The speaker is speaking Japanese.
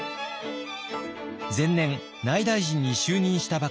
前年内大臣に就任したばかり。